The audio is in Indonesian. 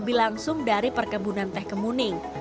lebih langsung dari perkebunan teh kemuning